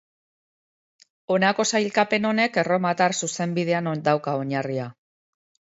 Honako sailkapen honek, erromatar zuzenbidean dauka oinarria.